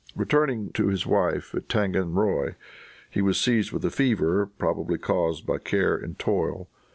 Returning to his wife at Tanganroy, he was seized with a fever, probably caused by care and toil.